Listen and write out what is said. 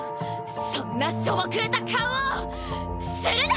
そんなしょぼくれた顔をするな！